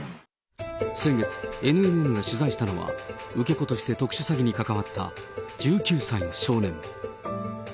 先月、ＮＮＮが取材したのは、受け子として特殊詐欺に関わった１９歳の少年。